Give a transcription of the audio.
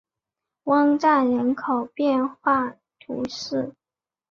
翁赞人口变化图示